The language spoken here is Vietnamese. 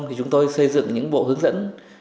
thì chúng tôi xây dựng những bộ hướng dẫn